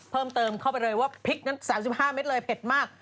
เพิ่มเติมเข้าไปเลยว่าพริกนั้น๓๕เม็ดเลยเผ็ดมาก